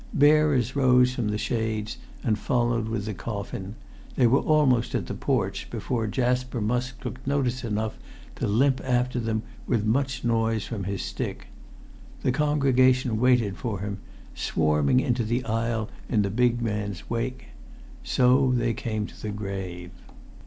Bearers rose from the shades and followed with the coffin; they were almost at the porch before Jasper Musk took notice enough to limp after them with much noise from his stick. The congregation waited for him, swarming into the aisle in the big man's wake. So they came to the grave.